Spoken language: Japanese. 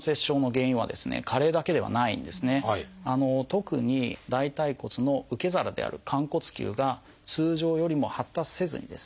特に大腿骨の受け皿である寛骨臼が通常よりも発達せずにですね